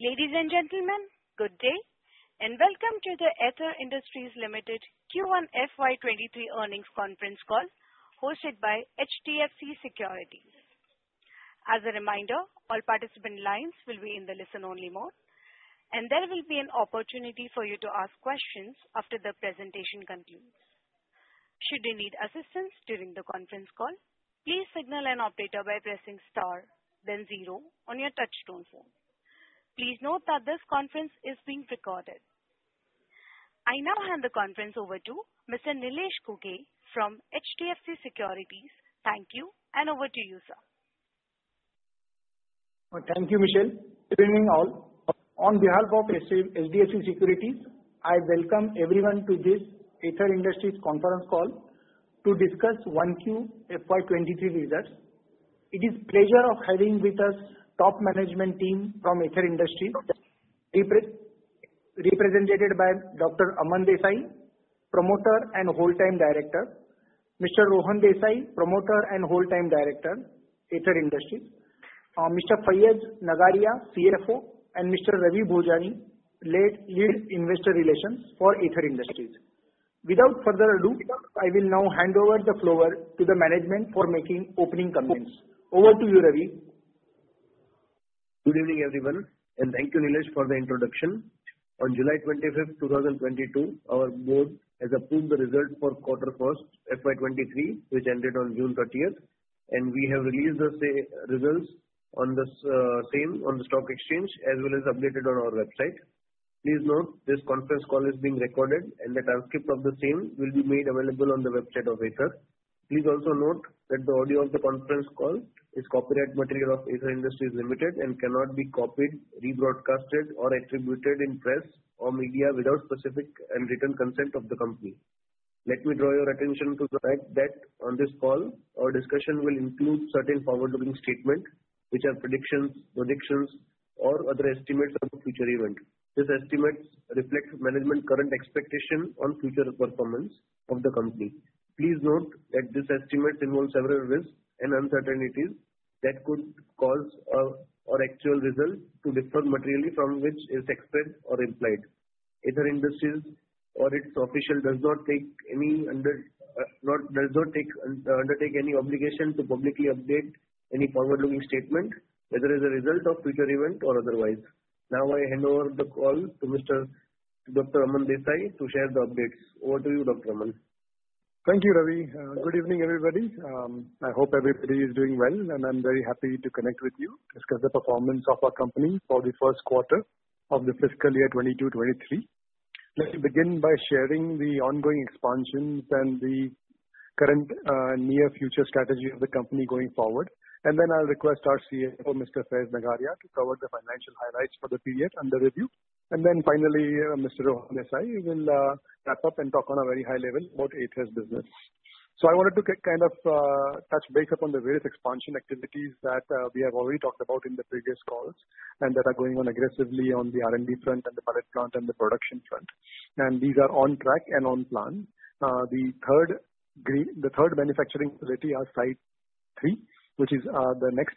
Ladies and gentlemen, good day and welcome to the Aether Industries Limited Q1 FY 2023 earnings conference call hosted by HDFC Securities. As a reminder, all participant lines will be in the listen-only mode, and there will be an opportunity for you to ask questions after the presentation concludes. Should you need assistance during the conference call, please signal an operator by pressing star then zero on your touch-tone phone. Please note that this conference is being recorded. I now hand the conference over to Mr. Nilesh Ghuge from HDFC Securities. Thank you, and over to you, sir. Thank you, Michelle. Good evening all. On behalf of HDFC Securities, I welcome everyone to this Aether Industries conference call to discuss Q1 FY 2023 results. It is a pleasure of having with us the top management team from Aether Industries, represented by Dr. Aman Desai, Promoter and Whole-Time Director; Mr. Rohan Desai, Promoter and Whole-Time Director, Aether Industries; Mr. Faiz Nagariya, CFO; and Mr. Ravi Bhojani, Lead Investor Relations for Aether Industries. Without further ado, I will now hand over the floor to the management for making opening comments. Over to you, Ravi. Good evening everyone, and thank you, Nilesh, for the introduction. On July 25, 2022, our board has approved the results for first quarter FY 2023, which ended on June 30th, and we have released the results on the same on the stock exchange as well as updated on our website. Please note, this conference call is being recorded, and the transcript of the same will be made available on the website of Aether. Please also note that the audio of the conference call is copyright material of Aether Industries Limited and cannot be copied, rebroadcast, or attributed in press or media without specific and written consent of the company. Let me draw your attention to the fact that on this call, our discussion will include certain forward-looking statements, which are predictions, predictions, or other estimates of a future event. These estimates reflect management's current expectations on future performance of the company. Please note that these estimates involve several risks and uncertainties that could cause our actual result to differ materially from what is expected or implied. Aether Industries or its officials does not undertake any obligation to publicly update any forward-looking statement, whether it is a result of a future event or otherwise. Now I hand over the call to Dr. Aman Desai to share the updates. Over to you, Dr. Aman. Thank you, Ravi. Good evening everybody. I hope everybody is doing well, and I'm very happy to connect with you, discuss the performance of our company for the first quarter of the fiscal year 2022-2023. Let me begin by sharing the ongoing expansions and the current near-future strategy of the company going forward, and then I'll request our CFO, Mr. Faiz Nagariya, to cover the financial highlights for the period under review. Then finally, Mr. Rohan Desai will wrap up and talk on a very high level about Aether's business. I wanted to kind of touch base upon the various expansion activities that we have already talked about in the previous calls and that are going on aggressively on the R&D front and the pilot plant and the production front. These are on track and on plan. The third manufacturing facility is Site 3, which is the next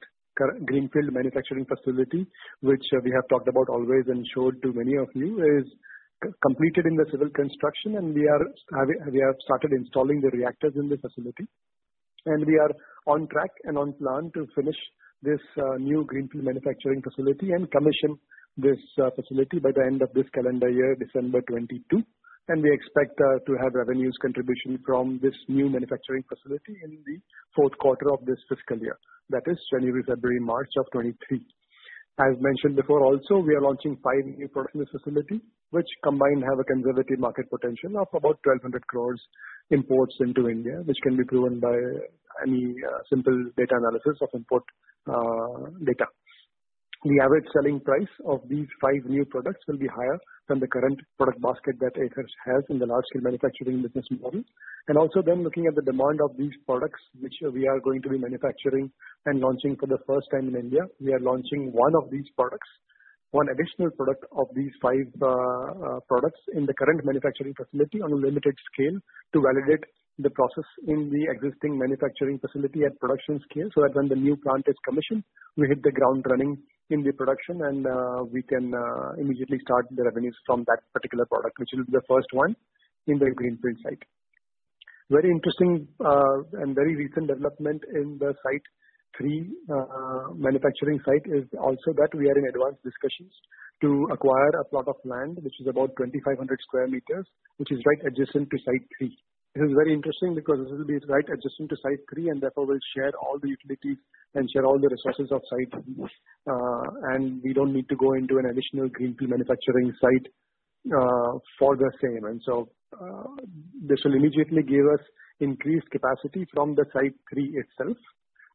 Greenfield manufacturing facility, which we have talked about always and showed to many of you, is completed in the civil construction, and we have started installing the reactors in the facility. We are on track and on plan to finish this new Greenfield manufacturing facility and commission this facility by the end of this calendar year, December 2022. We expect to have revenues contribution from this new manufacturing facility in the fourth quarter of this fiscal year, that is January, February, March of 2023. As mentioned before also, we are launching five new products in the facility, which combined have a conservative market potential of about 1,200 crores imports into India, which can be proven by any simple data analysis of import data. The average selling price of these five new products will be higher than the current product basket that Aether has in the large-scale manufacturing business model. Also then looking at the demand of these products, which we are going to be manufacturing and launching for the first time in India, we are launching one of these products, one additional product of these five products in the current manufacturing facility on a limited scale to validate the process in the existing manufacturing facility at production scale so that when the new plant is commissioned, we hit the ground running in the production and we can immediately start the revenues from that particular product, which will be the first one in the Greenfield site. Very interesting and very recent development in the Site 3 manufacturing site is also that we are in advanced discussions to acquire a plot of land, which is about 2,500 square meters, which is right adjacent to Site 3. This is very interesting because this will be right adjacent to Site 3 and therefore will share all the utilities and share all the resources of Site 3, and we don't need to go into an additional Greenfield manufacturing site for the same. This will immediately give us increased capacity from the Site 3 itself.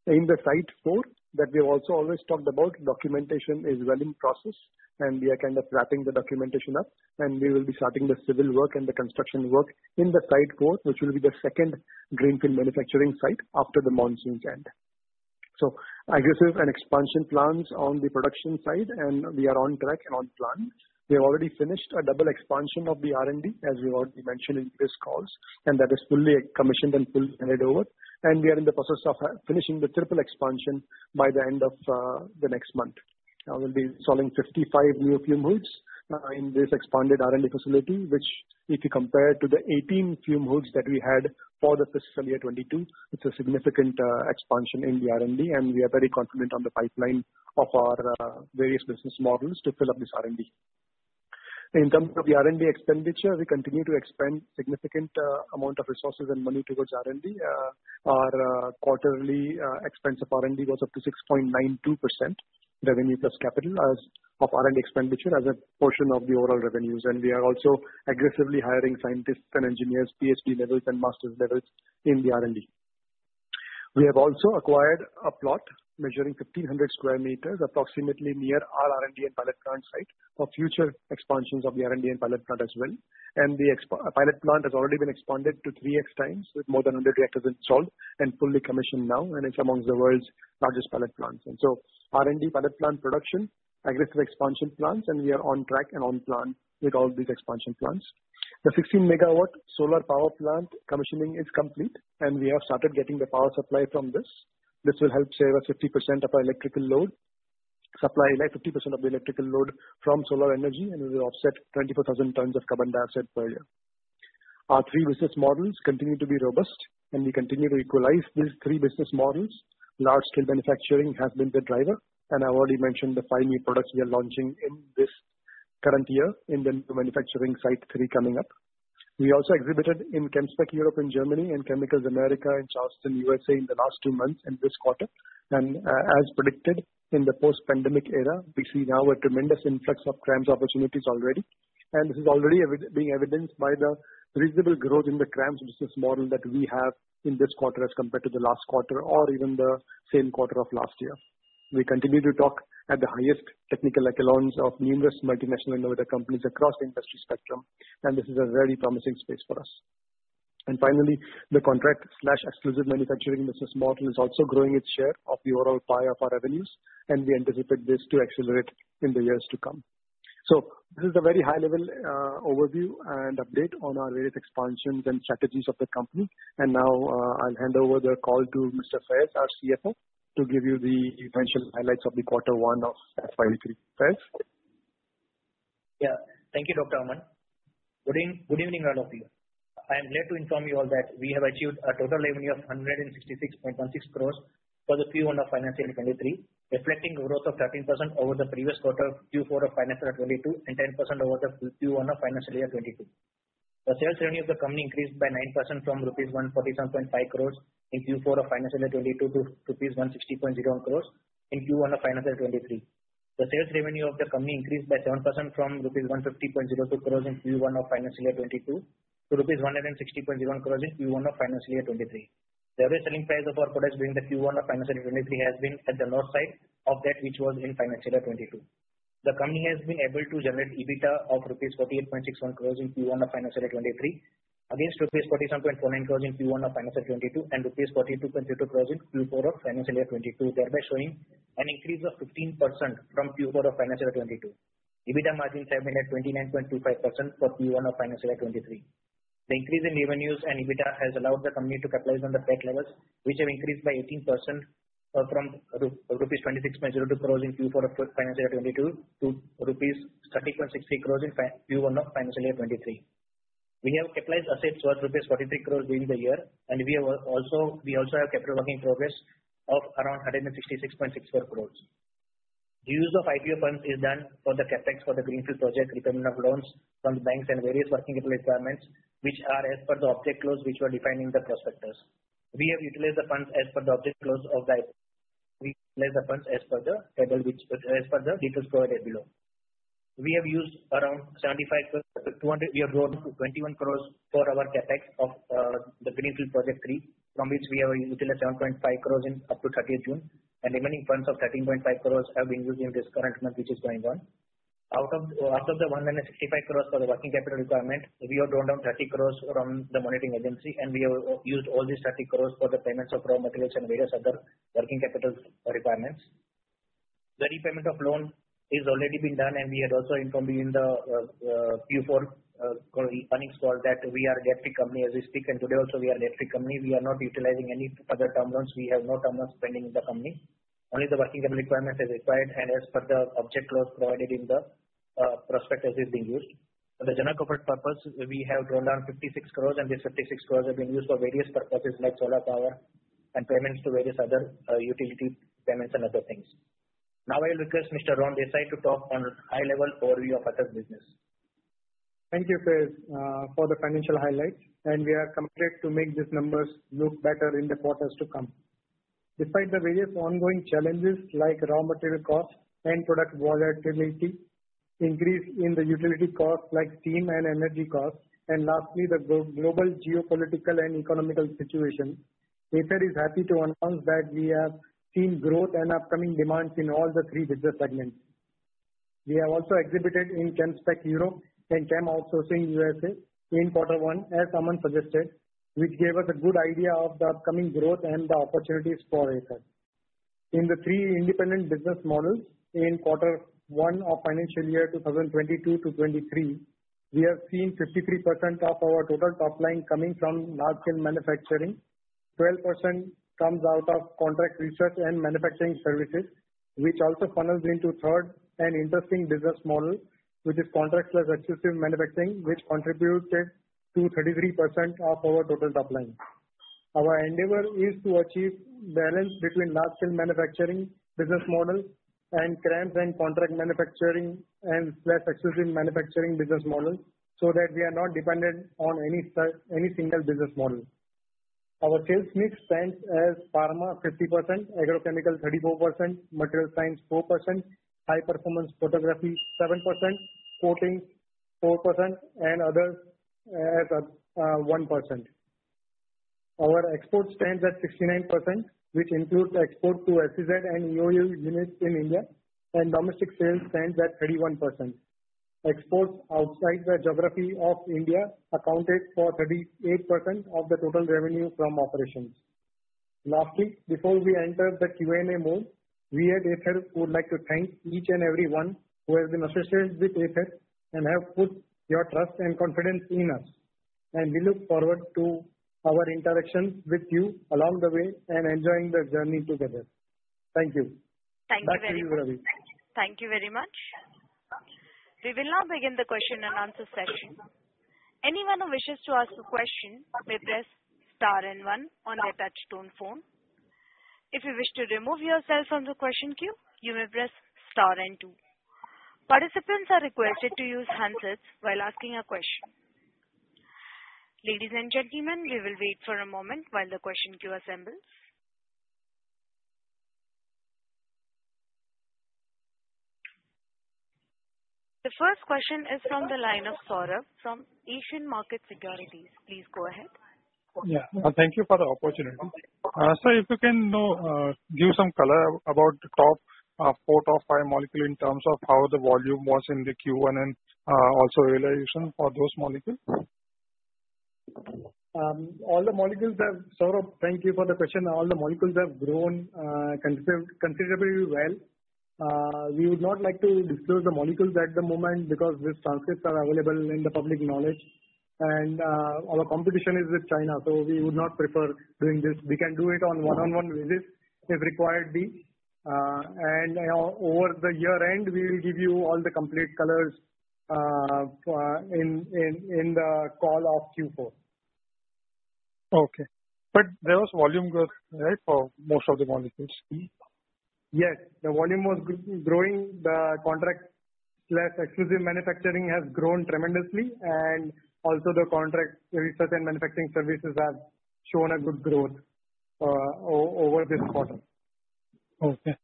In the Site 4, that we have also always talked about, documentation is well in process and we are kind of wrapping the documentation up, and we will be starting the civil work and the construction work in the Site 4, which will be the second Greenfield manufacturing site after the monsoons end. Aggressive and expansion plans on the production side, and we are on track and on plan. We have already finished a double expansion of the R&D, as we have already mentioned in previous calls, and that is fully commissioned and fully handed over, and we are in the process of finishing the triple expansion by the end of the next month. We'll be installing 55 new fume hoods in this expanded R&D facility, which if you compare to the 18 fume hoods that we had for the fiscal year 2022, it's a significant expansion in the R&D, and we are very confident on the pipeline of our various business models to fill up this R&D. In terms of the R&D expenditure, we continue to expend a significant amount of resources and money towards R&D. Our quarterly expense of R&D goes up to 6.92% revenue plus capital of R&D expenditure as a portion of the overall revenues. We are also aggressively hiring scientists and engineers, PhD levels, and master's levels in the R&D. We have also acquired a plot measuring 1,500 square meters, approximately near our R&D and pilot plant site for future expansions of the R&D and pilot plant as well. The pilot plant has already been expanded to 3x times with more than 100 reactors installed and fully commissioned now, and it's among the world's largest pilot plants. R&D, pilot plant production, aggressive expansion plans, and we are on track and on plan with all these expansion plans. The 16-megawatt solar power plant commissioning is complete, and we have started getting the power supply from this. This will help save us 50% of our electrical load, supply 50% of the electrical load from solar energy, and it will offset 24,000 tons of carbon dioxide per year. Our three business models continue to be robust, and we continue to equalize these three business models. Large-scale manufacturing has been the driver, and I've already mentioned the 5 new products we are launching in this current year in the new manufacturing Site 3 coming up. We also exhibited in Chemspec Europe in Germany and Chemicals America in Charleston, USA, in the last 2 months in this quarter. As predicted, in the post-pandemic era, we see now a tremendous influx of CRAMS opportunities already. This is already being evidenced by the reasonable growth in the CRAMS business model that we have in this quarter as compared to the last quarter or even the same quarter of last year. We continue to talk at the highest technical echelons of numerous multinational innovator companies across the industry spectrum, and this is a very promising space for us. Finally, the contract/exclusive manufacturing business model is also growing its share of the overall pie of our revenues, and we anticipate this to accelerate in the years to come. This is a very high-level overview and update on our various expansions and strategies of the company. Now I'll hand over the call to Mr. Faiz Nagariya, our CFO, to give you the eventual highlights of the quarter one of FY 2023. Faiz Nagariya? Yeah. Thank you, Dr. Aman. Good evening all of you. I am glad to inform you all that we have achieved a total revenue of 166.16 crore for the Q1 of financial year 2023, reflecting a growth of 13% over the previous quarter, Q4 of financial year 2022, and 10% over the Q1 of financial year 2022. The sales revenue of the company increased by 9% from rupees 147.5 crore in Q4 of financial year 2022 to rupees 160.01 crore in Q1 of financial year 2023. The sales revenue of the company increased by 7% from rupees 150.02 crore in Q1 of financial year 2022 to rupees 160.01 crore in Q1 of financial year 2023. The average selling price of our products during the Q1 of financial year 2023 has been at the north side of that which was in financial year 2022. The company has been able to generate EBITDA of rupees 48.61 crores in Q1 of financial year 2023 against rupees 47.49 crores in Q1 of financial year 2022 and rupees 42.22 crores in Q4 of financial year 2022, thereby showing an increase of 15% from Q4 of financial year 2022. EBITDA margin has been at 29.25% for Q1 of financial year 2023. The increase in revenues and EBITDA has allowed the company to capitalize on the PAT levels, which have increased by 18% from rupees 26.02 crores in Q4 of financial year 2022 to rupees 30.63 crores in Q1 of financial year 2023. We have capitalized assets worth rupees 43 crores during the year, and we also have capital working progress of around 166.64 crores. The use of IPO funds is done for the capex for the Greenfield Project, repayment of loans from the banks, and various working capital requirements, which are as per the object clause which were defined in the prospectus. We have utilized the funds as per the object clause of the we utilized the funds as per the table as per the details provided below. We have used around 75 crore we have grown to 21 crore for our capex of the Greenfield Project 3, from which we have utilized 7.5 crore up to 30th June. Remaining funds of 13.5 crore have been used in this current month which is going on. Out of the 165 crore for the working capital requirement, we have drawn down 30 crore from the monitoring agency, and we have used all these 30 crore for the payments of raw materials and various other working capital requirements. The repayment of loan has already been done, and we had also informed you in the Q4 earnings call that we are a debt-free company as we speak, and today also we are a debt-free company. We are not utilizing any other term loans. We have no term loans pending in the company. Only the working capital requirement is required, and as per the object clause provided in the prospectus has been used. For the general corporate purposes, we have drawn down 56 crore, and these 56 crore have been used for various purposes like solar power and payments to various other utility payments and other things. Now I will request Mr. Rohan Desai to talk on a high-level overview of Aether's business. Thank you, Faiz, for the financial highlights, and we are committed to make these numbers look better in the quarters to come. Despite the various ongoing challenges like raw material costs and product volatility, increase in the utility costs like steam and energy costs, and lastly, the global geopolitical and economical situation, Aether is happy to announce that we have seen growth and upcoming demands in all the three business segments. We have also exhibited in Chemspec Europe and ChemOutsourcing USA in quarter one, as Aman suggested, which gave us a good idea of the upcoming growth and the opportunities for Aether. In the three independent business models in quarter one of financial year 2022 to 2023, we have seen 53% of our total top line coming from large-scale manufacturing, 12% comes out of contract research and manufacturing services, which also funnels into third and interesting business model, which is Contract/Exclusive manufacturing, which contributed to 33% of our total top line. Our endeavor is to achieve balance between large-scale manufacturing business model and CRAMS and contract manufacturing and/or exclusive manufacturing business model so that we are not dependent on any single business model. Our sales mix stands as pharma 50%, agrochemical 34%, materials science 4%, high-performance photography 7%, coating 4%, and others as 1%. Our exports stand at 69%, which includes export to SEZ and EOU units in India, and domestic sales stand at 31%. Exports outside the geography of India accounted for 38% of the total revenue from operations. Lastly, before we enter the Q&A mode, we at Aether would like to thank each and everyone who has been associated with Aether and have put your trust and confidence in us. We look forward to our interactions with you along the way and enjoying the journey together. Thank you. Back to you, Ravi. Thank you very much. We will now begin the question and answer session. Anyone who wishes to ask a question may press star and one on their touch-tone phone. If you wish to remove yourself from the question queue, you may press star and two. Participants are requested to use handsets while asking a question. Ladies and gentlemen, we will wait for a moment while the question queue assembles. The first question is from the line of Saurabh from Asian Markets Securities. Please go ahead. Yeah. Thank you for the opportunity. Sir, if you can give some color about the top four, top five molecules in terms of how the volume was in the Q1 and also realization for those molecules? All the molecules have, Saurabh, thank you for the question. All the molecules have grown considerably well. We would not like to disclose the molecules at the moment because these transcripts are available in the public knowledge, and our competition is with China, so we would not prefer doing this. We can do it on one-on-one basis if required be. Over the year-end, we will give you all the complete colors in the call of Q4. Okay. There was volume growth, right, for most of the molecules? Yes. The volume was growing. The contract exclusive manufacturing has grown tremendously, and also the contract research and manufacturing services have shown a good growth over this quarter. Okay.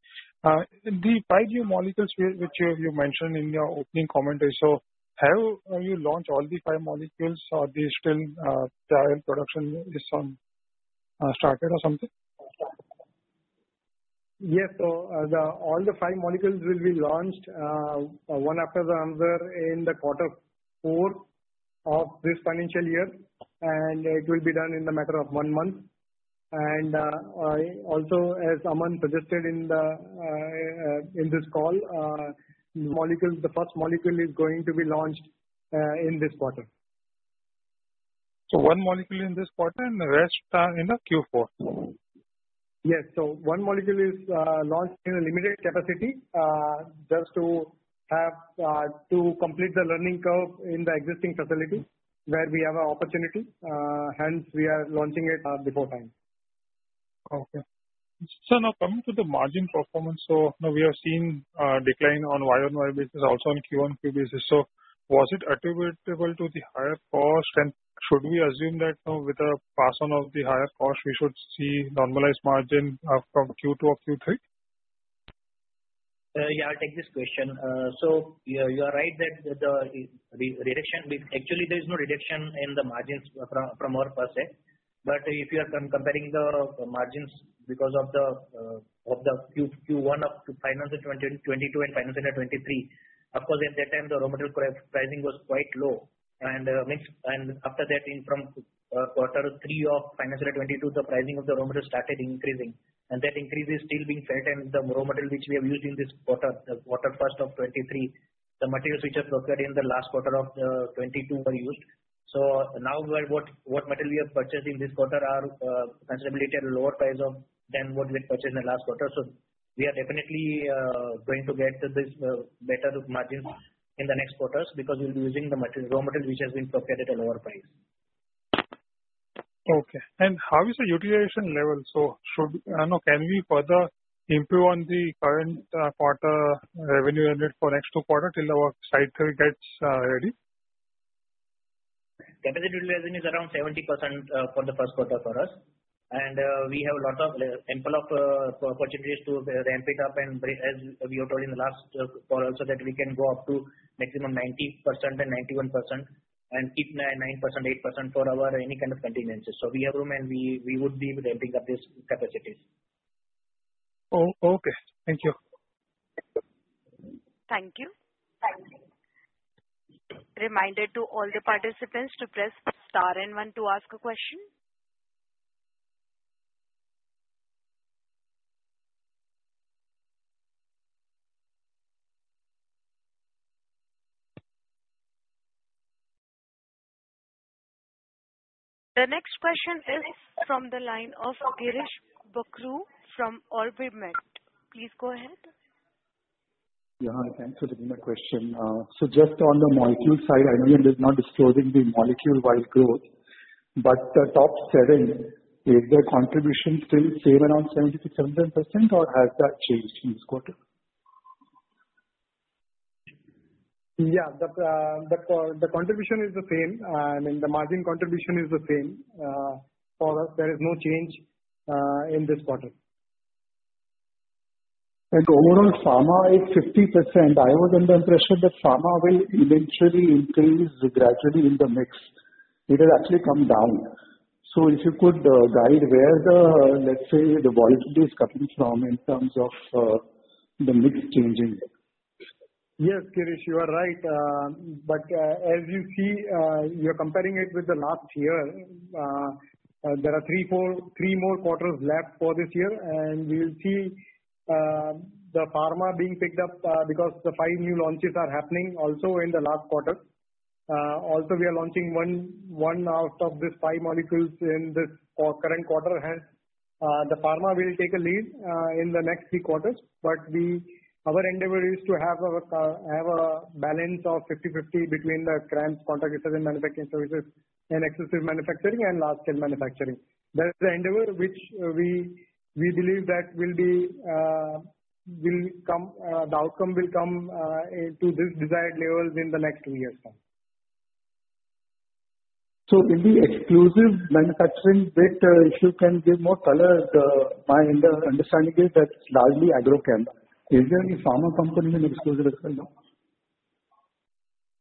The five new molecules which you mentioned in your opening commentary so, have you launched all the five molecules, or are they still trial production is started or something? Yes. All the five molecules will be launched one after the other in the quarter four of this financial year, and it will be done in a matter of one month. Also, as Aman suggested in this call, the first molecule is going to be launched in this quarter. One molecule in this quarter and the rest in Q4? Yes. One molecule is launched in a limited capacity just to complete the learning curve in the existing facility where we have an opportunity. Hence, we are launching it before time. Okay. Now coming to the margin performance, so now we have seen a decline on YOY basis, also on QOQ basis. Was it attributable to the higher cost, and should we assume that now with the pass-on of the higher cost, we should see normalized margin from Q2 or Q3? Yeah. I'll take this question. You are right that the reduction actually, there is no reduction in the margins from our perspective. But if you are comparing the margins because of the Q1 of FY 2022 and FY 2023, of course, at that time, the raw material pricing was quite low. After that, from quarter three of FY 2022, the pricing of the raw material started increasing. That increase is still being felt, and the raw material which we have used in this quarter, quarter first of 2023, the materials which were procured in the last quarter of 2022 were used. Now what material we have purchased in this quarter are considerably at a lower price than what we had purchased in the last quarter. We are definitely going to get these better margins in the next quarters because we'll be using the raw material which has been procured at a lower price. Okay. How is the utilization level? Can we further improve on the current quarter revenue unit for next two quarters till our Site 3 gets ready? Capacity utilization is around 70% for the first quarter for us. We have a lot of ample of opportunities to ramp it up, as we have told in the last call, so that we can go up to maximum 90% and 91% and keep 9%, 8% for our any kind of contingencies. We have room, and we would be ramping up these capacities. Okay. Thank you. Thank you. Reminder to all the participants to press star and one to ask a question. The next question is from the line of Girish Bakhru from OrbiMed. Please go ahead. Yeah. Thanks for the question. Just on the molecule side, I know you're not disclosing the molecule-wide growth, but the top seven, is the contribution still same around 70%-75%, or has that changed in this quarter? Yeah. The contribution is the same, and the margin contribution is the same. For us, there is no change in this quarter. Overall, pharma, it's 50%. I was under the impression that pharma will eventually increase gradually in the mix. It has actually come down. If you could guide where the, let's say, the volatility is coming from in terms of the mix changing. Yes, Girish, you are right. But as you see, you're comparing it with the last year. There are three more quarters left for this year, and we will see the pharma being picked up because the five new launches are happening also in the last quarter. Also, we are launching one out of these five molecules in this current quarter. Hence, the pharma will take a lead in the next three quarters. But our endeavor is to have a balance of 50/50 between the CRAMS, contract research and manufacturing services, and exclusive manufacturing and large-scale manufacturing. That is the endeavor which we believe that the outcome will come to these desired levels in the next three years. In the exclusive manufacturing bits, if you can give more color, my understanding is that it's largely agrochem. Is there any pharma company in exclusive as well now?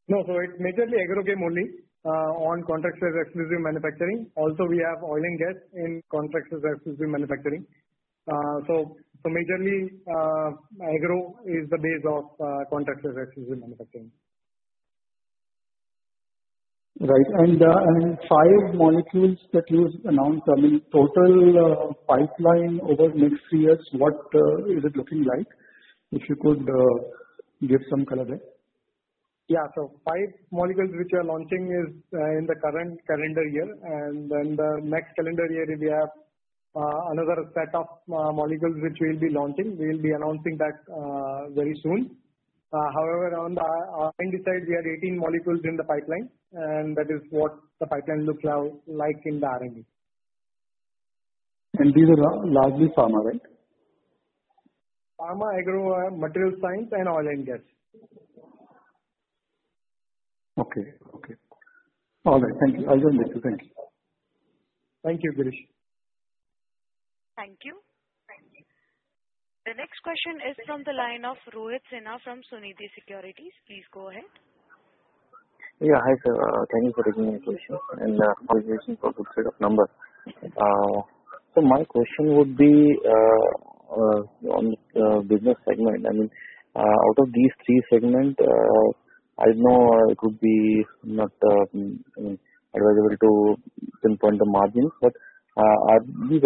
No. It's majorly agrochem only on contract exclusive manufacturing. Also, we have oil and gas in contract exclusive manufacturing. Majorly, agro is the base of contract exclusive manufacturing. Right. The five molecules that you announced, I mean, total pipeline over the next three years, what is it looking like if you could give some color there? Yeah. Five molecules which we are launching is in the current calendar year. Then the next calendar year, we have another set of molecules which we will be launching. We will be announcing that very soon. However, on the R&D side, we have 18 molecules in the pipeline, and that is what the pipeline looks like in the R&D. These are largely pharma, right? Pharma, agro, materials science, and oil and gas. Okay. Okay. All right. Thank you. I will the queue. Thanks. Thank you, Girish. Thank you. The next question is from the line of Rohit Sinha from Sunidhi Securities. Please go ahead. Yeah. Hi, sir. Thank you for taking my question. Congratulations for a good set of numbers. My question would be on the business segment. I mean, out of these three segments, I don't know it would be not advisable to pinpoint the margins, but are these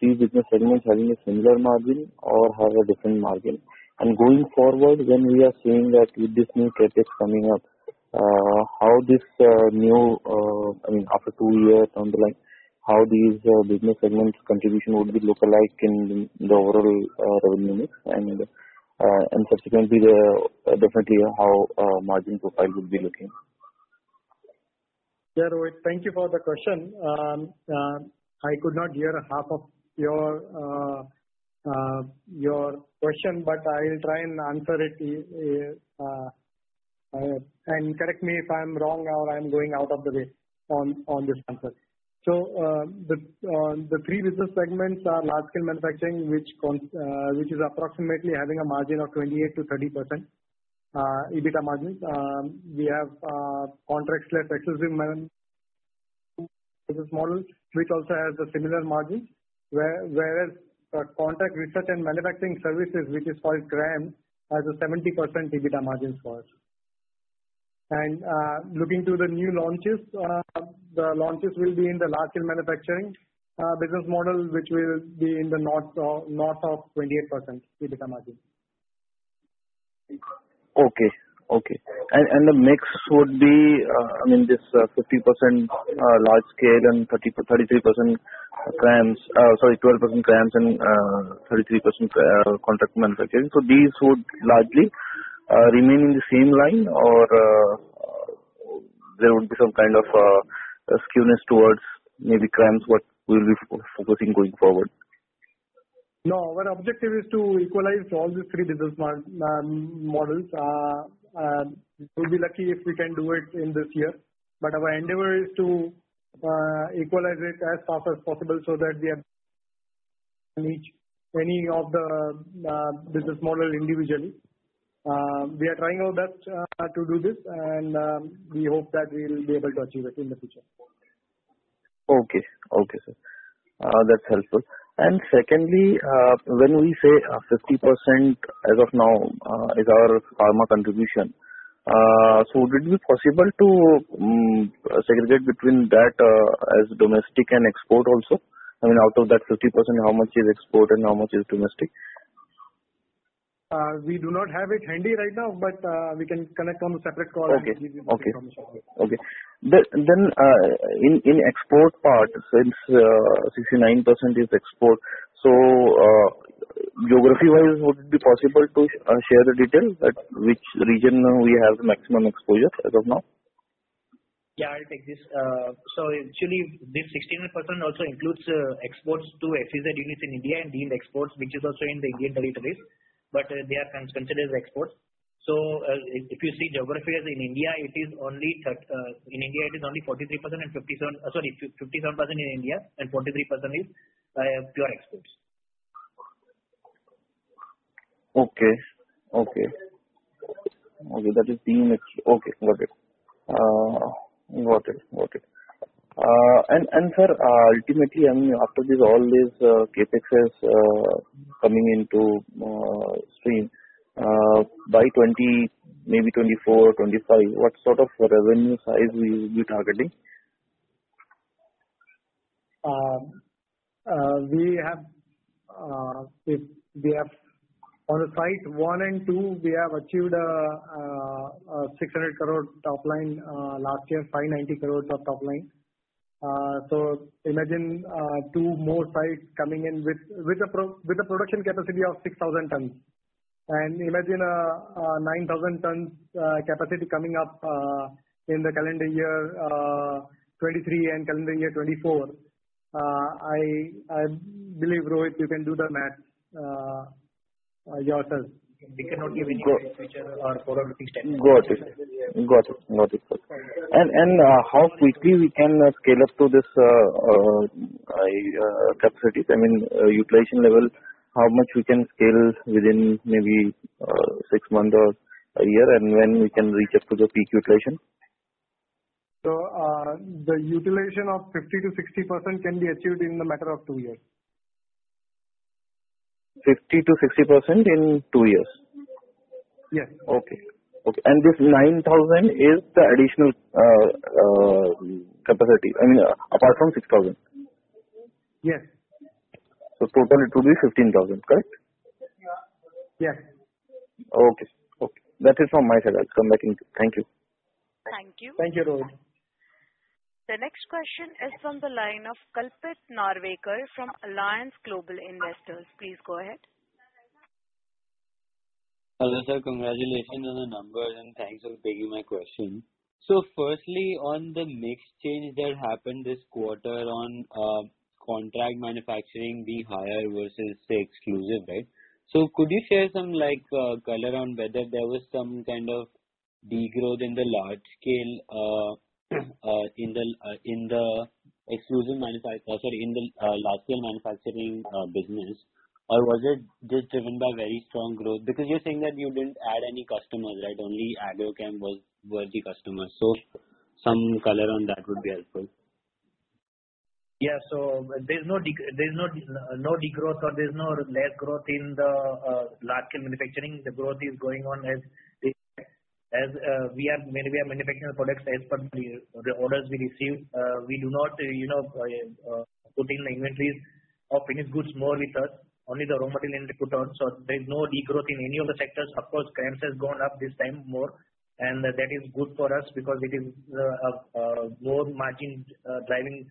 three business segments having a similar margin or have a different margin? Going forward, when we are seeing that with this new CapEx coming up, how this new, I mean, after two years down the line, how these business segments' contribution would be look-alike in the overall revenue mix, and subsequently, definitely, how margin profile would be looking? Yeah, Rohit, thank you for the question. I could not hear half of your question, but I will try and answer it and correct me if I'm wrong or I'm going out of the way on this answer. The three business segments are large-scale manufacturing, which is approximately having a margin of 28%-30% EBITDA margins. We have Contract/Exclusive manufacturing business model, which also has a similar margin, whereas contract research and manufacturing services, which is called CRAMS, has a 70% EBITDA margin for us. Looking to the new launches, the launches will be in the large-scale manufacturing business model, which will be in the north of 28% EBITDA margin. Okay. Okay. The mix would be, I mean, this 50% large-scale and 33% CRAMS sorry, 12% CRAMS and 33% contract manufacturing. These would largely remain in the same line, or there would be some kind of skewness towards maybe CRAMS, what we'll be focusing going forward? No. Our objective is to equalize all these three business models. We'll be lucky if we can do it in this year. But our endeavor is to equalize it as fast as possible so that we have any of the business models individually. We are trying our best to do this, and we hope that we'll be able to achieve it in the future. Okay. Okay, sir. That's helpful. Secondly, when we say 50% as of now is our pharma contribution, so would it be possible to segregate between that as domestic and export also? I mean, out of that 50%, how much is export and how much is domestic? We do not have it handy right now, but we can connect on a separate call and give you the information. Okay. Okay. Then in export part, since 69% is export, so geography-wise, would it be possible to share the detail which region we have the maximum exposure as of now? Yeah. I'll take this. Actually, this 69% also includes exports to SEZ units in India and deemed exports, which is also in the Indian territories, but they are considered exports. If you see geography-wise, in India, it is only in India, it is only 43% and 57 sorry, 57% in India and 43% is pure exports. Okay. Okay. Okay. That is deemed export. Okay. Got it. Got it. Got it. Sir, ultimately, I mean, after all these CapExes coming into stream, by maybe 2024, 2025, what sort of revenue size will be targeting? We have on the Sites 1 and 2, we have achieved 600 crore topline last year, 590 crore of topline. Imagine two more sites coming in with a production capacity of 6,000 tons. And imagine a 9,000 tons capacity coming up in the calendar year 2023 and calendar year 2024. I believe, Rohit, you can do the math yourself. We cannot give any future or forward-looking status. Got it. Got it. Got it. Got it. How quickly we can scale up to these capacities? I mean, utilization level, how much we can scale within maybe six months or a year, and when we can reach up to the peak utilization? The utilization of 50%-60% can be achieved in a matter of two years. 50%-60% in two years? Yes. Okay. Okay. And this 9,000 is the additional capacity, I mean, apart from 6,000? Yes. Total, it would be 15,000, correct? Yes. Okay. Okay. That is from my side. I'll come back in. Thank you. Thank you. Thank you, Rohit. The next question is from the line of Kalpit Narvekar from Allianz Global Investors. Please go ahead. Hello, sir. Congratulations on the numbers, and thanks for taking my question. Firstly, on the mix change that happened this quarter on contract manufacturing, the higher versus, say, exclusive, right? Could you share some color on whether there was some kind of degrowth in the large-scale in the exclusive sorry, in the large-scale manufacturing business, or was it just driven by very strong growth? Because you're saying that you didn't add any customers, right? Only agrochem were the customers. Some color on that would be helpful. Yeah. There's no degrowth, or there's no less growth in the large-scale manufacturing. The growth is going on as we are maybe manufacturing the products as per the orders we receive. We do not put in the inventories of finished goods more with us, only the raw material entry put on. There is no degrowth in any of the sectors. Of course, CRAMS has gone up this time more, and that is good for us because it is a more margin-driving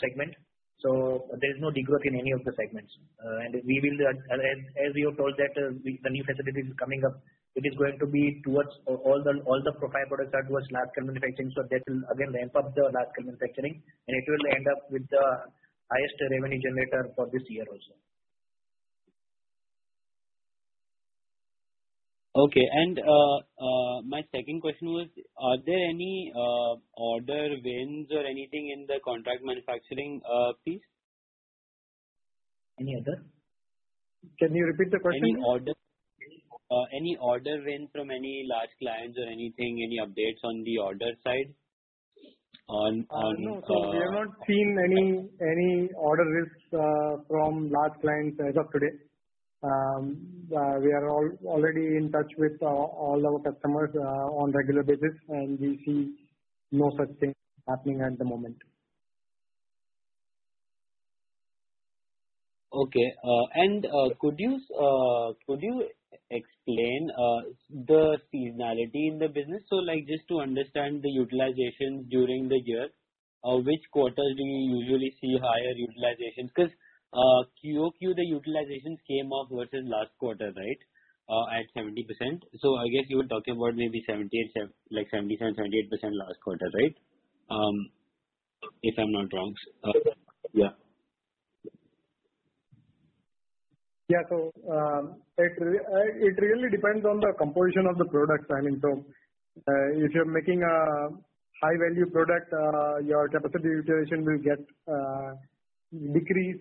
segment. There is no degrowth in any of the segments. As you have told, the new facilities coming up, it is going to be towards all the profile products are towards large-scale manufacturing. That will, again, ramp up the large-scale manufacturing, and it will end up with the highest revenue generator for this year also. Okay. My second question was, are there any order wins or anything in the contract manufacturing piece? Any other? Can you repeat the question? Any order win from any large clients or anything, any updates on the order side? No. We have not seen any order risks from large clients as of today. We are already in touch with all our customers on a regular basis, and we see no such thing happening at the moment. Okay. Could you explain the seasonality in the business? Just to understand the utilizations during the year, which quarters do you usually see higher utilizations? Because QOQ, the utilizations came off versus last quarter, right, at 70%. I guess you were talking about maybe 77%-78% last quarter, right, if I'm not wrong? Yeah. Yeah. It really depends on the composition of the products. I mean, so if you're making a high-value product, your capacity utilization will decrease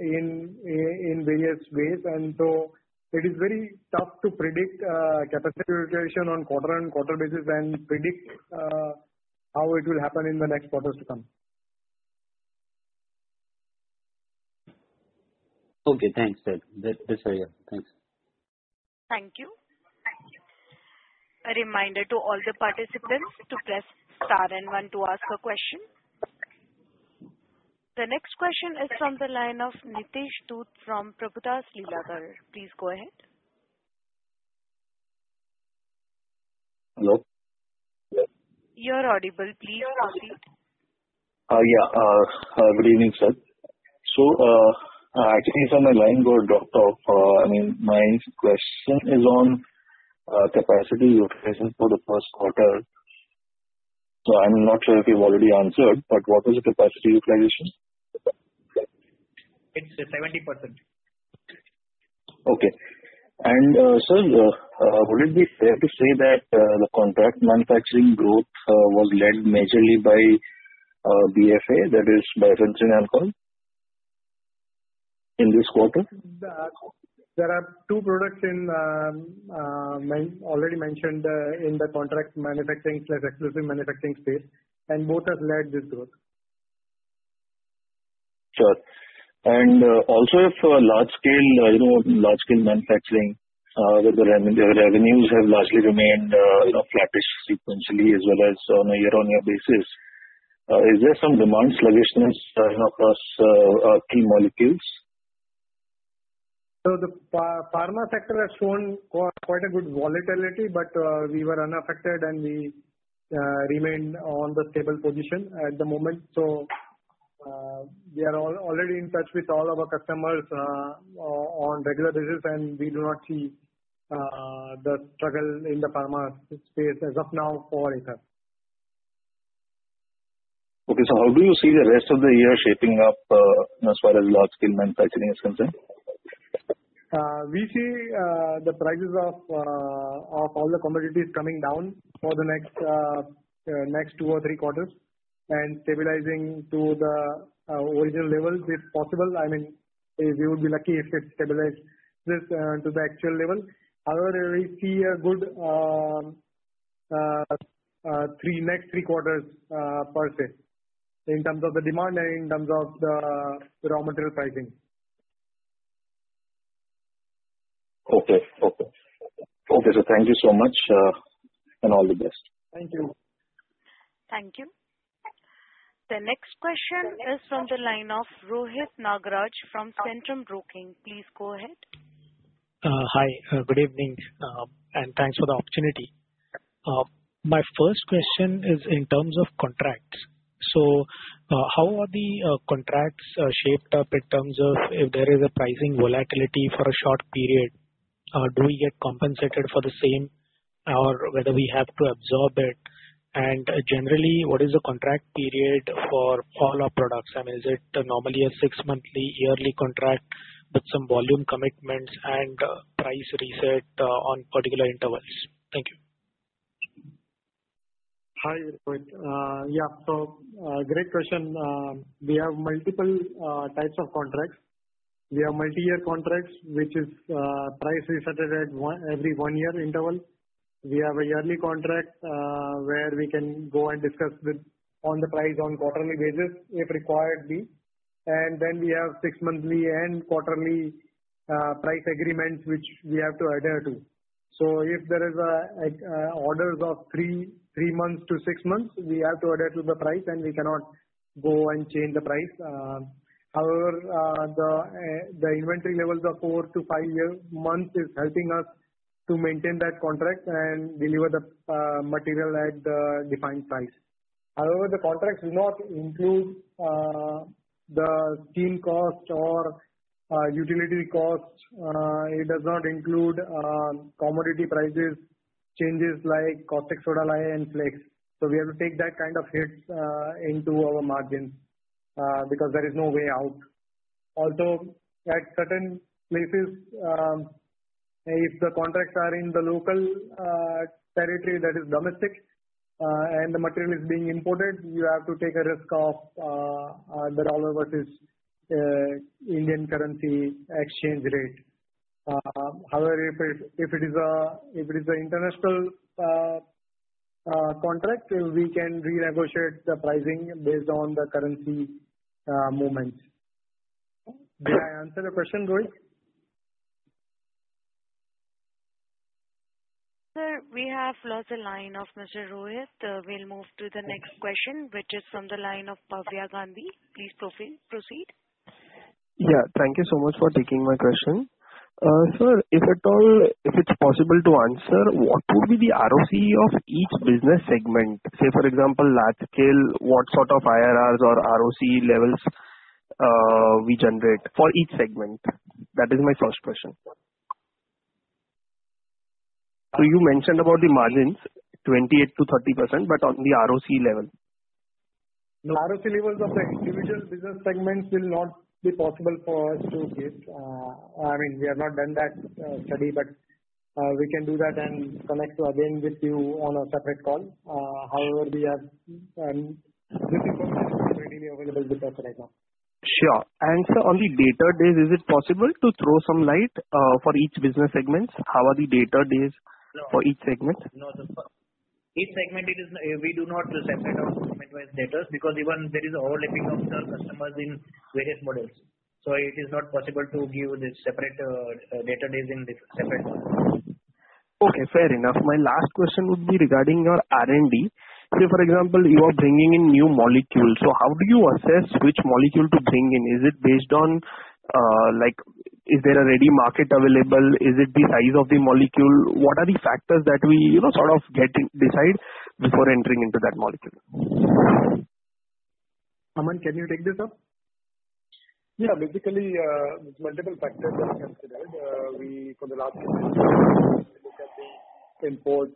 in various ways. It is very tough to predict capacity utilization on quarter-on-quarter basis and predict how it will happen in the next quarters to come. Okay. Thanks, sir. This is for you. Thanks. Thank you. A reminder to all the participants to press star and one to ask a question. The next question is from the line of Nitesh Dhoot from Prabhudas Lilladher. Please go ahead. Hello. Yes. You're audible. Please proceed. Yeah. Good evening, sir. Actually, sir, my line got dropped off. I mean, my question is on capacity utilization for the first quarter. I'm not sure if you've already answered, but what was the capacity utilization? It's 70%. Okay. Sir, would it be fair to say that the contract manufacturing growth was led majorly by BFA, that is, Bifenthrin Alcohol, in this quarter? There are two products already mentioned in the contract manufacturing/exclusive manufacturing space, and both have led this growth. Sure. Also, if large-scale manufacturing revenues have largely remained flattish sequentially as well as on a year-on-year basis, is there some demand sluggishness across key molecules? The pharma sector has shown quite a good volatility, but we were unaffected, and we remained on the stable position at the moment. We are already in touch with all our customers on a regular basis, and we do not see the struggle in the pharma space as of now for ETA. Okay. How do you see the rest of the year shaping up as far as large-scale manufacturing is concerned? We see the prices of all the commodities coming down for the next two or three quarters and stabilizing to the original level if possible. I mean, we would be lucky if it stabilized to the actual level. However, we see a good next three quarters per se in terms of the demand and in terms of the raw material pricing. Okay. Okay. Okay. Thank you so much, and all the best. Thank you. Thank you. The next question is from the line of Rohit Nagraj from Centrum Broking. Please go ahead. Hi. Good evening, and thanks for the opportunity. My first question is in terms of contracts. How are the contracts shaped up in terms of if there is a pricing volatility for a short period? Do we get compensated for the same, or whether we have to absorb it? Generally, what is the contract period for all our products? I mean, is it normally a six-monthly, yearly contract with some volume commitments and price reset on particular intervals? Thank you. Hi, Rohit. Yeah. Great question. We have multiple types of contracts. We have multi-year contracts, which is price reset at every one-year interval. We have a yearly contract where we can go and discuss on the price on a quarterly basis if required be. Then we have six-monthly and quarterly price agreements, which we have to adhere to. If there are orders of three months to six months, we have to adhere to the price, and we cannot go and change the price. However, the inventory levels of four to five months are helping us to maintain that contract and deliver the material at the defined price. However, the contracts do not include the team cost or utility cost. It does not include commodity prices changes like caustic, soda lye, and flakes. We have to take that kind of hit into our margins because there is no way out. Also, at certain places, if the contracts are in the local territory that is domestic and the material is being imported, you have to take a risk of the dollar versus Indian currency exchange rate. However, if it is an international contract, we can renegotiate the pricing based on the currency movements. Did I answer the question, Rohit? Sir, we have lost the line of Mr. Rohit. We'll move to the next question, which is from the line of Bhavya Gandhi. Please proceed. Yeah. Thank you so much for taking my question. Sir, if it's possible to answer, what would be the ROC of each business segment? Say, for example, large-scale, what sort of IRRs or ROC levels we generate for each segment? That is my first question. You mentioned about the margins, 28%-30%, but on the ROC level. The ROC levels of the individual business segments will not be possible for us to get. I mean, we have not done that study, but we can do that and connect again with you on a separate call. However, this information is not readily available with us right now. Sure. Sir, on the data days, is it possible to throw some light for each business segment? How are the data days for each segment? No. Each segment, we do not set out segment-wise data because even there is overlapping of customers in various models. It is not possible to give separate data in separate models. Okay. Fair enough. My last question would be regarding your R&D. Say, for example, you are bringing in new molecules. How do you assess which molecule to bring in? Is it based on is there a ready market available? Is it the size of the molecule? What are the factors that we sort of decide before entering into that molecule? Aman, can you take this up? Yeah. Basically, multiple factors are considered. For the large-scale manufacturers, we look at the import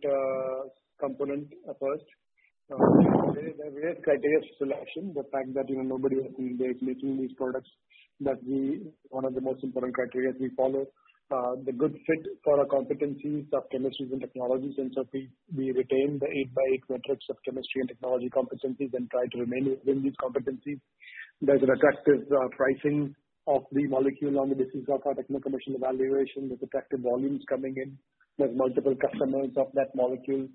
component first. There are various criteria for selection. The fact that nobody is making these products, that's one of the most important criteria we follow. The good fit for our competencies of chemistries and technologies. We retain the eight by eight metrics of chemistry and technology competencies and try to remain within these competencies. There's an attractive pricing of the molecule on the basis of our techno-commercial evaluation. There's attractive volumes coming in. There's multiple customers of that molecule.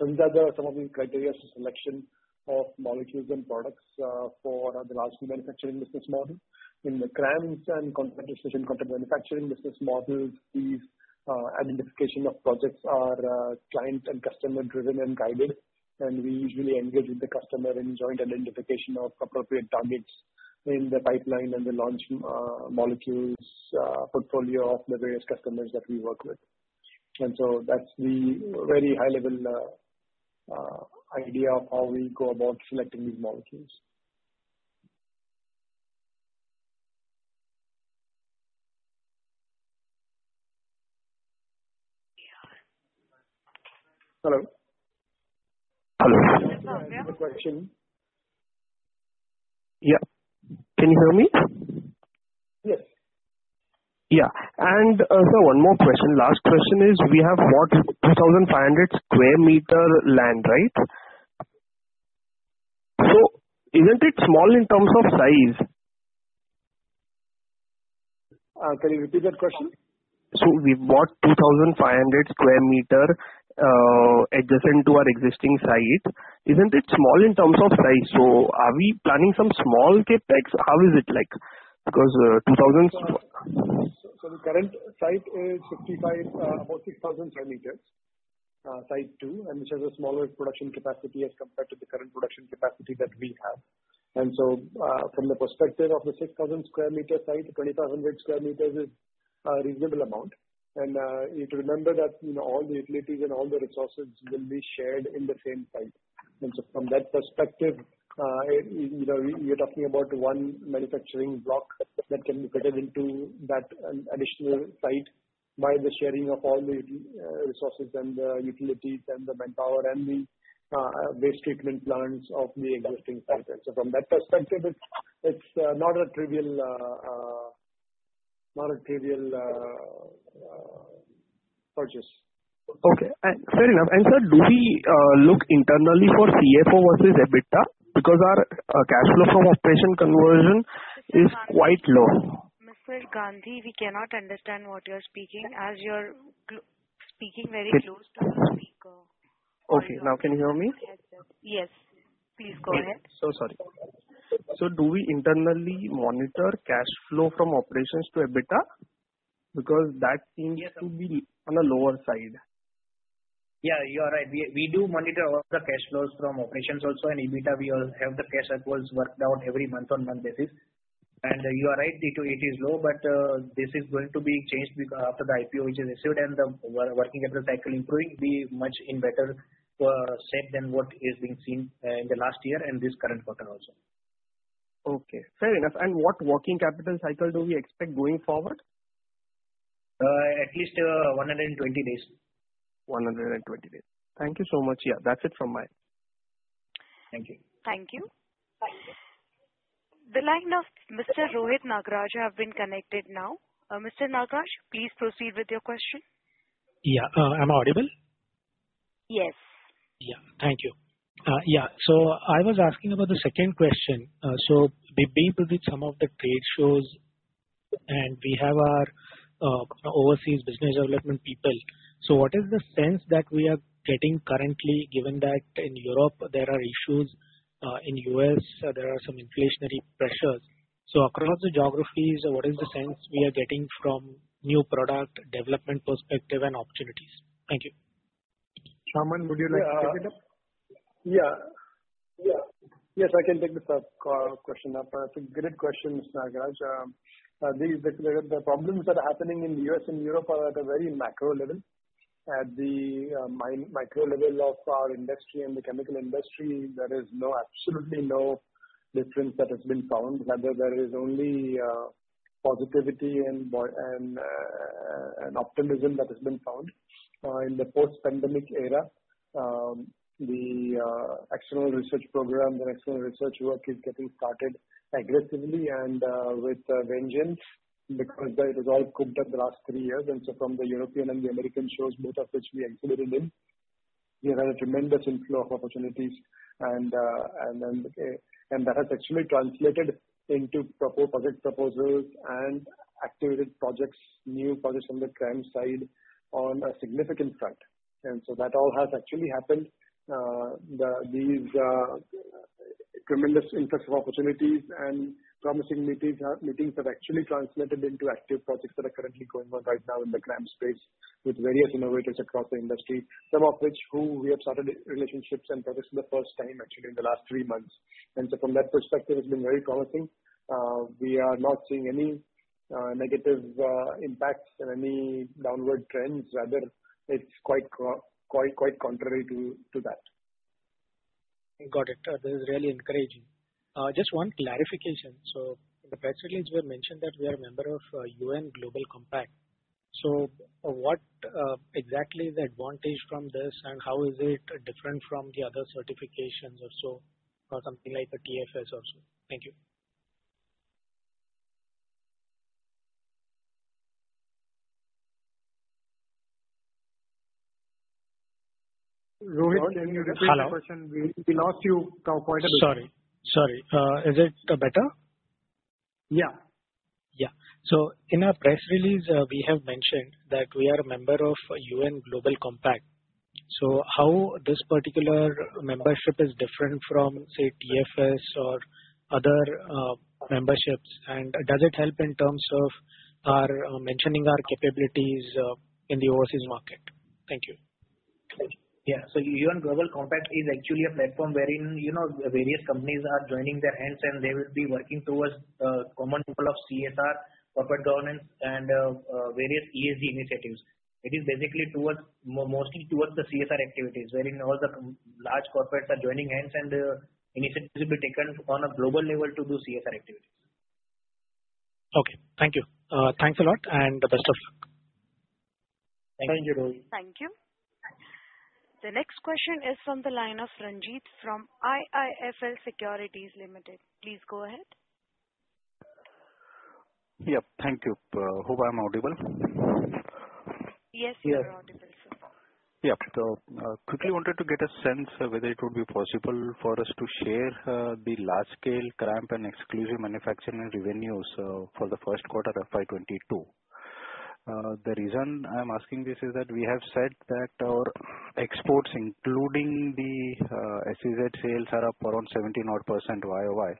These are some of the criteria for selection of molecules and products for the large-scale manufacturing business model. In the CRAMS and contract manufacturing business models, these identification of projects are client and customer-driven and guided. We usually engage with the customer in joint identification of appropriate targets in the pipeline and the launch molecules portfolio of the various customers that we work with. That's the very high-level idea of how we go about selecting these molecules. Hello? Hello. I have a question. Yeah. Can you hear me? Yes. Yeah. Sir, one more question. Last question is, we have 4,500 sq m land, right? Isn't it small in terms of size? Can you repeat that question? We bought 2,500 square meter adjacent to our existing site. Isn't it small in terms of size? Are we planning some small CapEx? How is it like? Because 2,000... The current site is about 6,000 square meters, Site 2, which has a smaller production capacity as compared to the current production capacity that we have. From the perspective of the 6,000 square meter site, 2,500 square meters is a reasonable amount. You have to remember that all the utilities and all the resources will be shared in the same site. From that perspective, you're talking about one manufacturing block that can be fitted into that additional site by the sharing of all the resources and the utilities and the manpower and the waste treatment plants of the existing site. From that perspective, it's not a trivial purchase. Okay. Fair enough. Sir, do we look internally for CFO versus EBITDA? Because our cash flow from operation conversion is quite low. Mr. Gandhi, we cannot understand what you're speaking. You're speaking very close to the speaker. Okay. Now, can you hear me? Yes. Please go ahead. So sorry. Do we internally monitor cash flow from operations to EBITDA? Because that seems to be on the lower side. Yeah. You're right. We do monitor all the cash flows from operations also. In EBITDA, we have the cash flows worked out every month on a month basis. You are right, it is low, but this is going to be changed after the IPO, which is issued, and the working capital cycle improving, be much in a better set than what is being seen in the last year and this current quarter also. Okay. Fair enough. What working capital cycle do we expect going forward? At least 120 days. 120 days. Thank you so much. Yeah. That's it from mine. Thank you. Thank you. The line of Mr. Rohit Nagraj has been connected now. Mr. Nagraj, please proceed with your question. Yeah. Am I audible? Yes. Yeah. Thank you. Yeah. I was asking about the second question. Being with some of the trade shows, and we have our overseas business development people, so what is the sense that we are getting currently, given that in Europe, there are issues. In the U.S., there are some inflationary pressures? Across the geographies, what is the sense we are getting from a new product development perspective and opportunities? Thank you. Aman, would you like to take it up? Yeah. Yes. I can take this question up. It's a great question, Mr. Nagraj. The problems that are happening in the U.S. and Europe are at a very macro level. At the micro level of our industry and the chemical industry, there is absolutely no difference that has been found. Rather, there is only positivity and optimism that has been found. In the post-pandemic era, the external research program, the external research work is getting started aggressively and with vengeance because it was all cooped up the last three years. From the European and the American shows, both of which we exhibited in, we had a tremendous inflow of opportunities. That has actually translated into proposed project proposals and activated projects, new projects on the CRAMS side, on a significant front. And so that all has actually happened. These tremendous influx of opportunities and promising meetings have actually translated into active projects that are currently going on right now in the CRAMS space with various innovators across the industry, some of which we have started relationships and projects for the first time, actually, in the last three months. From that perspective, it's been very promising. We are not seeing any negative impacts and any downward trends. Rather, it's quite contrary to that. Got it. This is really encouraging. Just one clarification. In the press release, we mentioned that we are a member of UN Global Compact. What exactly is the advantage from this, and how is it different from the other certifications or something like a TfS or so? Thank you. Rohit, can you repeat the question? We lost you quite a bit. Sorry. Sorry. Is it better? Yeah. Yeah. In our press release, we have mentioned that we are a member of UN Global Compact. How this particular membership is different from, say, TfS or other memberships, and does it help in terms of mentioning our capabilities in the overseas market? Thank you. Yeah. UN Global Compact is actually a platform wherein various companies are joining their hands, and they will be working towards the common goal of CSR, corporate governance, and various ESG initiatives. It is basically mostly towards the CSR activities wherein all the large corporates are joining hands, and the initiatives will be taken on a global level to do CSR activities. Okay. Thank you. Thanks a lot, and the best of luck. Thank you. Thank you, Rohit. Thank you. The next question is from the line of Ranjit from IIFL Securities Limited. Please go ahead. Yeah. Thank you. Hope I'm audible? Yes. You're audible, sir. Yeah. I quickly wanted to get a sense whether it would be possible for us to share the large-scale CRAMS and exclusive manufacturing revenues for the first quarter of 2022. The reason I'm asking this is that we have said that our exports, including the SEZ sales, are up around 17% YOY.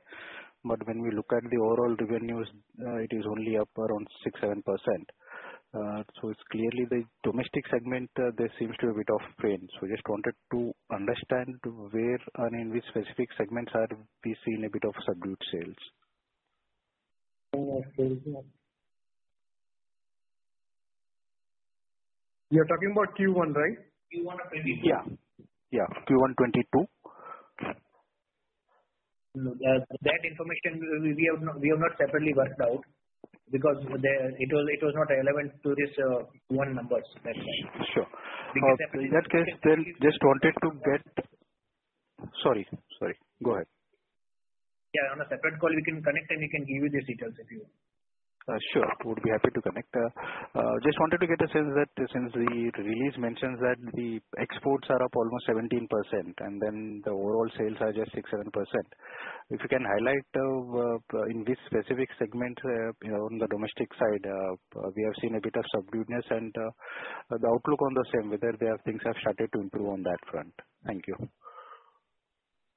But when we look at the overall revenues, it is only up around 6%-7%. It's clearly the domestic segment that seems to be a bit off-frame. We just wanted to understand where and in which specific segments we've seen a bit of subdued sales. You're talking about Q1, right? Q1 of 2022. Yeah. Yeah. Q1 2022. That information, we have not separately worked out because it was not relevant to these Q1 numbers. That's why. Sure. In that case, then just wanted to get, sorry. Sorry. Go ahead. Yeah. On a separate call, we can connect, and we can give you the details if you. Sure. We would be happy to connect. Just wanted to get a sense that since the release mentions that the exports are up almost 17%, and then the overall sales are just 6%-7%, if you can highlight in which specific segments on the domestic side, we have seen a bit of subduedness, and the outlook on the same, whether things have started to improve on that front. Thank you.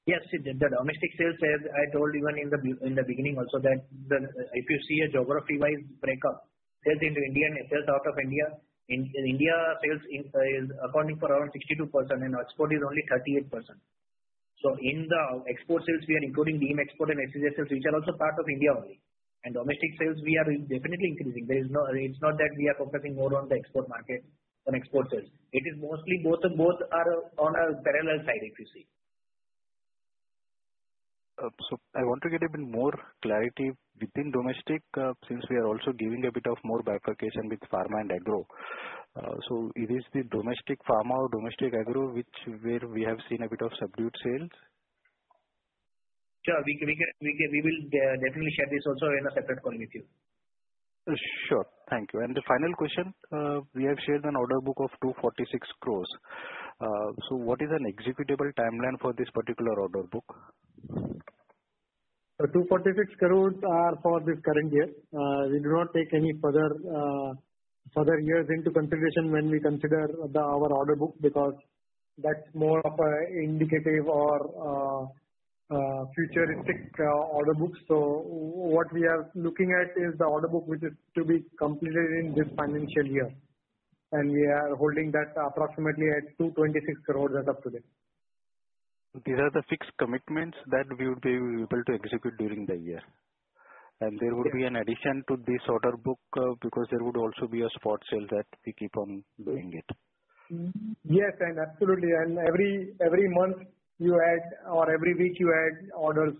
Yes. The domestic sales sales, I told even in the beginning also that if you see a geography-wise breakup, sales into India and sales out of India, India sales is accounting for around 62%, and export is only 38%. In the export sales, we are including DM export and SEZ sales, which are also part of India only. And domestic sales, we are definitely increasing. It's not that we are focusing more on the export market than export sales. It is mostly both are on a parallel side, if you see. I want to get a bit more clarity within domestic since we are also giving a bit of more bifurcation with pharma and agro. It is the domestic pharma or domestic agro where we have seen a bit of subdued sales? Sure. We will definitely share this also in a separate call with you. Sure. Thank you. And the final question, we have shared an order book of 246 crore. What is an executable timeline for this particular order book? 246 crore are for this current year. We do not take any further years into consideration when we consider our order book because that's more of an indicative or futuristic order book. What we are looking at is the order book which is to be completed in this financial year, and we are holding that approximately at 226 crore as of today. These are the fixed commitments that we would be able to execute during the year. There would be an addition to this order book because there would also be a spot sale that we keep on doing it. Yes. Absolutely. Every month you add or every week you add orders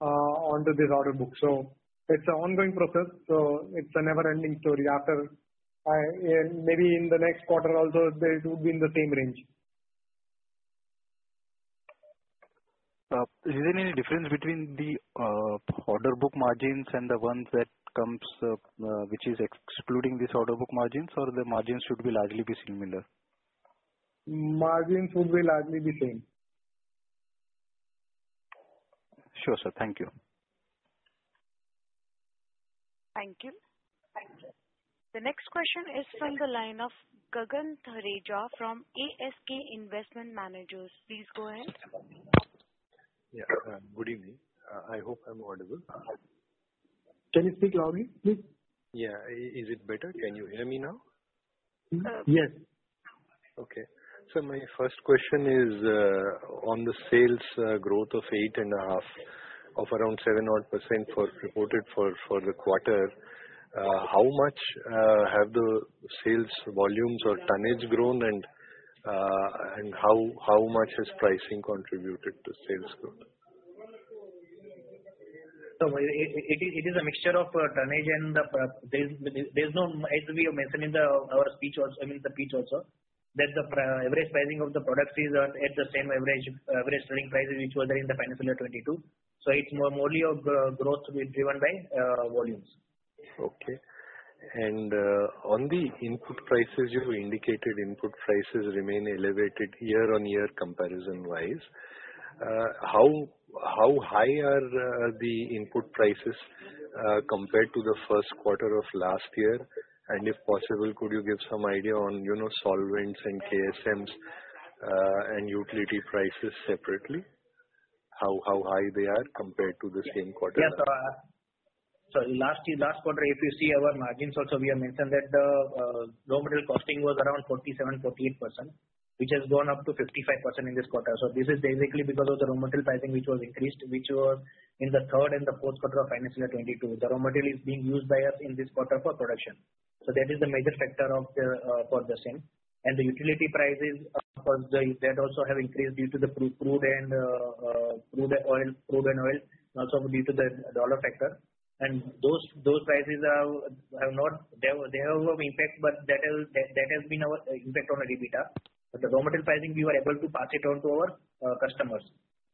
onto this order book. It's an ongoing process. It's a never-ending story. Maybe in the next quarter also, it would be in the same range. Is there any difference between the order book margins and the ones which are excluding these order book margins, or the margins should largely be similar? Margins would largely be same. Sure, sir. Thank you. Thank you. The next question is from the line of Gagan Thareja from ASK Investment Managers. Please go ahead. Yeah. Good evening. I hope I'm audible. Can you speak loudly, please? Yeah. Is it better? Can you hear me now? Yes. Okay. My first question is on the sales growth of 8.5, of around seven-odd percent reported for the quarter. How much have the sales volumes or tonnage grown, and how much has pricing contributed to sales growth? It is a mixture of tonnage. There's no, as we were mentioning in our speech also, I mean, the pitch also, that the average pricing of the products is at the same average selling prices which were there in the financial year 2022. It's mostly growth driven by volumes. Okay. On the input prices, you indicated input prices remain elevated year-on-year comparison-wise. How high are the input prices compared to the first quarter of last year? If possible, could you give some idea on solvents and KSMs and utility prices separately, how high they are compared to the same quarter? Yes. Last quarter, if you see our margins also, we have mentioned that the raw material costing was around 47%-48%, which has gone up to 55% in this quarter. This is basically because of the raw material pricing which was increased, which was in the third and the fourth quarter of financial year 2022. The raw material is being used by us in this quarter for production. That is the major factor for the same. The utility prices, of course, that also have increased due to the crude and oil also due to the dollar factor. Those prices have not they have an impact, but that has been our impact on EBITDA. But the raw material pricing, we were able to pass it on to our customers.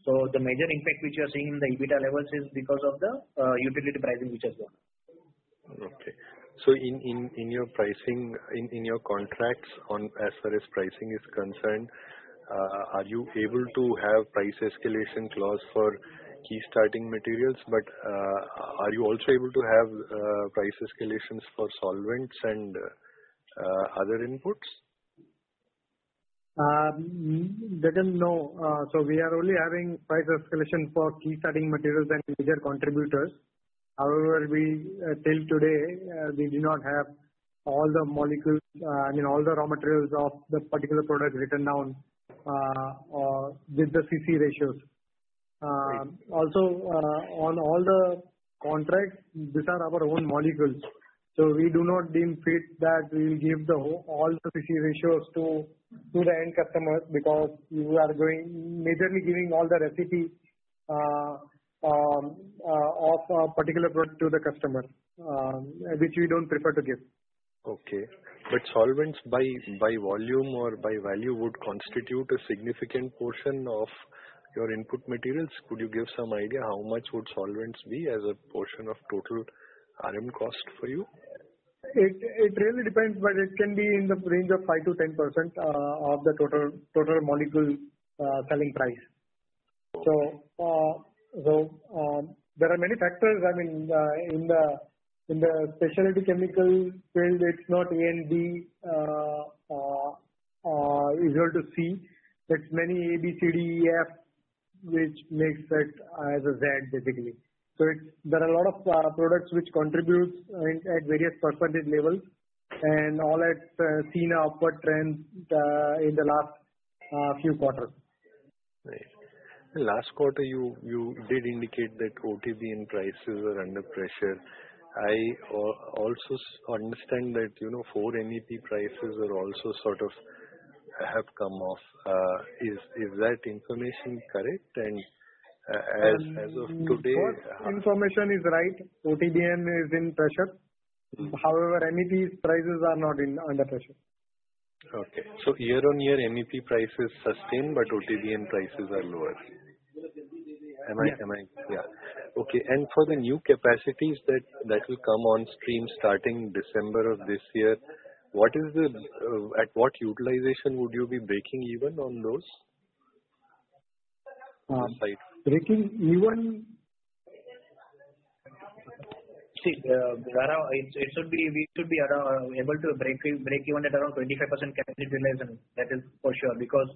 The major impact which you are seeing in the EBITDA levels is because of the utility pricing which has gone up. Okay. In your pricing, in your contracts, as far as pricing is concerned, are you able to have price escalation clause for key starting materials? But are you also able to have price escalations for solvents and other inputs? No. We are only having price escalation for key starting materials and major contributors. However, till today, we do not have all the molecules I mean, all the raw materials of the particular product written down with the CC ratios. Also, on all the contracts, these are our own molecules. We do not deem fit that we will give all the CC ratios to the end customer because you are majorly giving all the recipe of a particular product to the customer, which we don't prefer to give. Okay. But solvents, by volume or by value, would constitute a significant portion of your input materials? Could you give some idea how much would solvents be as a portion of total RM cost for you? It really depends, but it can be in the range of 5%-10% of the total molecule selling price. There are many factors. I mean, in the specialty chemical field, it's not A and B equal to C. It's many A, B, C, D, E, F, which makes it as a Z, basically. There are a lot of products which contribute at various percentage levels, and all have seen an upward trend in the last few quarters. Right. Last quarter, you did indicate that OTBN prices are under pressure. I also understand that for NEP prices also sort of have come off. Is that information correct? As of today. Both information is right. OTBN and is in pressure. However, NEP prices are not under pressure. Okay. Year-on-year, NEP prices sustain, but OTBN prices are lower? Yeah. Okay. For the new capacities that will come on stream starting December of this year, at what utilization would you be breaking even on those? Breaking even? See, we should be able to break even at around 25% capacity utilization. That is for sure because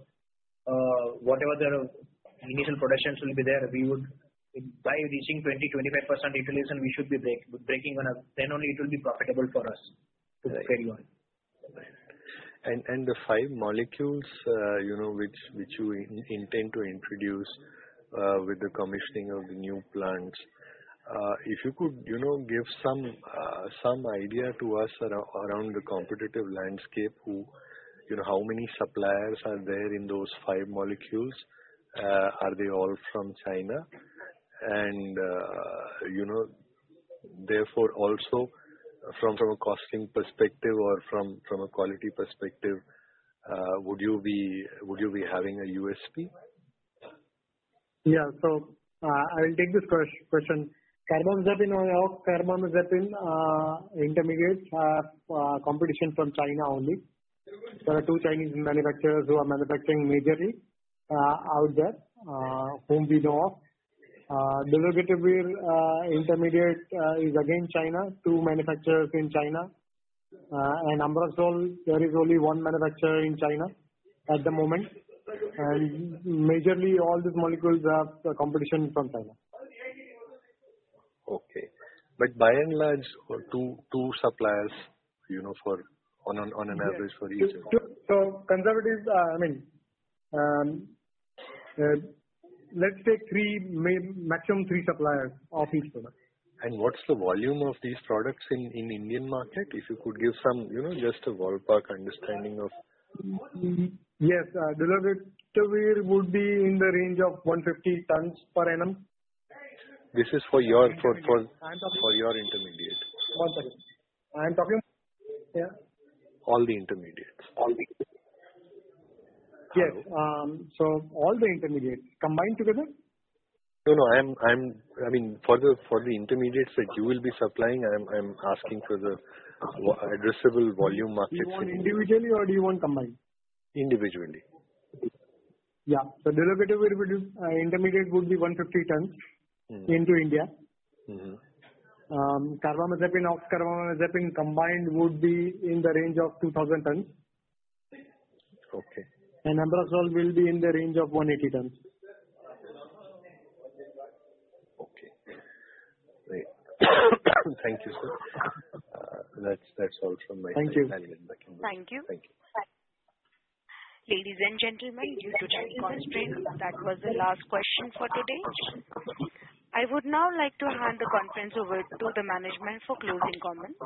whatever the initial productions will be there, by reaching 20%-25% utilization, we should be breaking even. Then only it will be profitable for us to carry on. Right. The five molecules which you intend to introduce with the commissioning of the new plants, if you could give some idea to us around the competitive landscape, how many suppliers are there in those five molecules? Are they all from China? And therefore, also from a costing perspective or from a quality perspective, would you be having a USP? Yeah. I will take this question. Carbamazepine API, carbamazepine intermediate have competition from China only. There are two Chinese manufacturers who are manufacturing majorly out there whom we know of. Dolutegravir intermediate is again China, two manufacturers in China. Ambroxol, there is only one manufacturer in China at the moment. Majorly, all these molecules have competition from China. Okay. But by and large, two suppliers on an average for each. Conservative, I mean, let's take maximum three suppliers of each product. What's the volume of these products in the Indian market, if you could give just a ballpark understanding of? Yes. Dolutegravir would be in the range of 150 tons per annum. This is for your intermediate. One second. I am talking, yeah? All the Intermediates. Yes. All the Intermediates combined together? No, no. I mean, for the Intermediates that you will be supplying, I'm asking for the addressable volume markets in. You want individually, or do you want combined? Individually. Yeah. Dolutegravir Intermediate would be 150 tons into India. Carbamazepine oxcarbazepine combined would be in the range of 2,000 tons. Ambroxol will be in the range of 180 tons. Okay. Great. Thank you, sir. That's all from my side. Thank you. Thank you. Ladies and gentlemen, due to time constraints, that was the last question for today. I would now like to hand the conference over to the management for closing comments.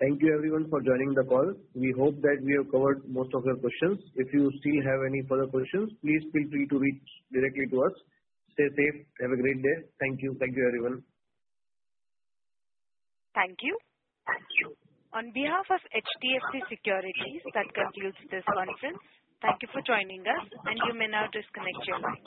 Thank you, everyone, for joining the call. We hope that we have covered most of your questions. If you still have any further questions, please feel free to reach directly to us. Stay safe. Have a great day. Thank you. Thank you, everyone. Thank you. On behalf of HDFC Securities, that concludes this conference. Thank you for joining us, and you may now disconnect your line.